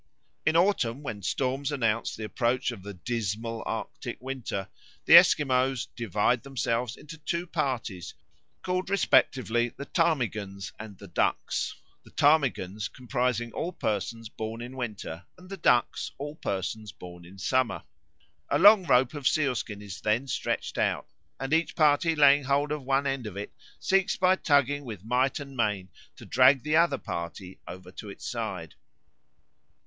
In autumn, when storms announce the approach of the dismal Arctic winter, the Esquimaux divide themselves into two parties called respectively the ptarmigans and the ducks, the ptarmigans comprising all persons born in winter, and the ducks all persons born in summer. A long rope of sealskin is then stretched out, and each party laying hold of one end of it seeks by tugging with might and main to drag the other party over to its side.